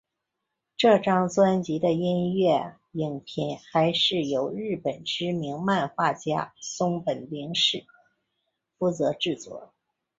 这张专辑内的音乐影片还是由日本知名漫画家松本零士负责制作。